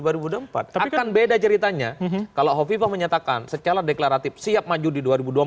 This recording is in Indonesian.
akan beda ceritanya kalau hovifah menyatakan secara deklaratif siap maju di dua ribu dua puluh empat